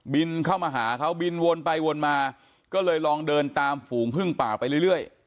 บินเข้ามาหาเขาบินวนไปวนมาก็เลยลองเดินตามฝูงพึ่งป่าไปเรื่อย